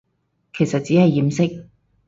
其實只係掩飾